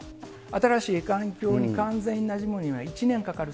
新しい環境に完全になじむには１年かかる。